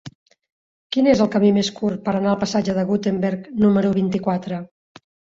Quin és el camí més curt per anar al passatge de Gutenberg número vint-i-quatre?